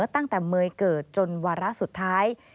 ตั้งแต่เมย์เกิดจนวาระสุดท้าย